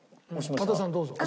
羽田さんどうぞ。